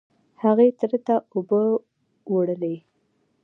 هغې تره ته اوبه وړلې.